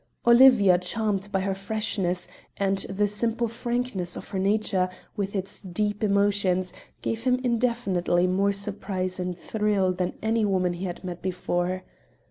Olivia charmed by her freshness, and the simple frankness of her nature, with its deep emotions, gave him infinitely more surprise and thrill than any woman he had met before.